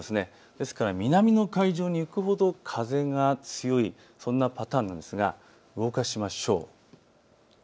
ですから南の海上に行くほど風が強い、そんなパターンなんですが動かしましょう。